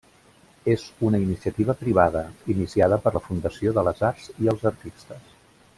És una iniciativa privada, iniciada per la Fundació de les Arts i els Artistes.